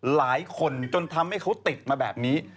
หลายคนจนทำให้เขาติดมาแบบนี้